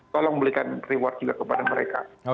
tolong belikan reward juga kepada mereka